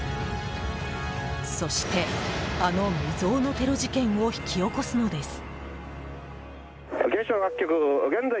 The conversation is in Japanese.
そして、あの未曽有のテロ事件を引き起こすのです。